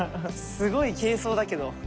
すごい軽装だけど。